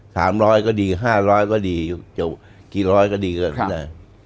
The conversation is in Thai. สามร้อยก็ดีห้าร้อยก็ดีจะกี่ร้อยก็ดีเกินไป